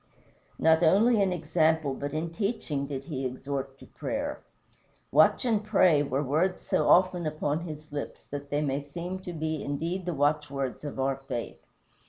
Not only in example but in teaching did he exhort to prayer. "Watch and pray" were words so often upon his lips that they may seem to be indeed the watchwords of our faith.